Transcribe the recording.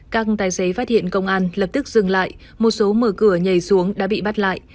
các tài xế phát hiện công an lập tức dừng lại một số mở cửa nhảy xuống đã bị bắt lại